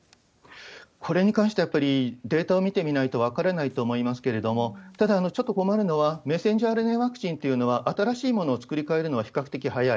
これに関してはやっぱり、データを見てみないと分からないと思いますけれども、ただ、ちょっと困るのは、メッセンジャーＲＮＡワクチンというのは、新しいものを作り替えるのは比較的早い。